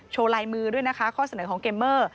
ลายมือด้วยนะคะข้อเสนอของเกมเมอร์